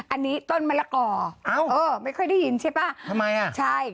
อันนี้ต้นมะละก่อไม่ค่อยได้ยินใช่ป่ะทำไมอะ